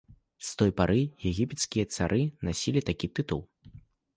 З той пары егіпецкія цары насілі такі тытул.